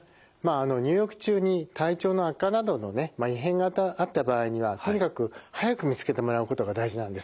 入浴中に体調の悪化などのね異変があった場合にはとにかく早く見つけてもらうことが大事なんです。